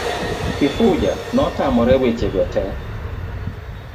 Kifuja notamore weche go te.